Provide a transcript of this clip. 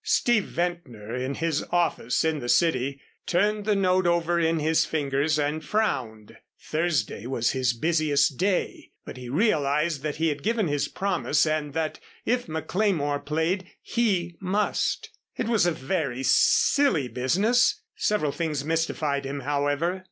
Steve Ventnor in his office in the city turned the note over in his fingers and frowned. Thursday was his busiest day, but he realized that he had given his promise and that if McLemore played he must. It was a very silly business. Several things mystified him, however.